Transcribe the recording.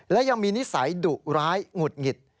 และยังมีนิสัยดุร้ายหงุดหงิด